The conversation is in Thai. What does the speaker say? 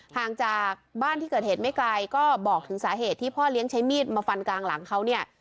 ห่างจากบ้านที่เกิดเหตุไม่ไกลก็บอกถึงสาเหตุที่พ่อเลี้ยงใช้มีดมาฟันกลางหลังเขาเนี่ย